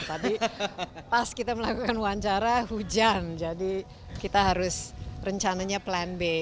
tadi pas kita melakukan wawancara hujan jadi kita harus rencananya plan b